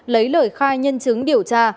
lấy lời khai nhân chứng điều tra